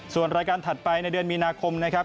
ส่วนรายการถัดไปในเดือนมีนาคมนะครับ